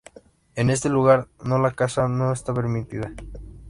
En este lugar no la caza no está permitida.